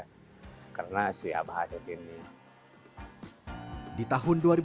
di tahun dua ribu dua puluh dua desa wisata hanjeli dianugerahi sebagai salah satu desa wisata terbaik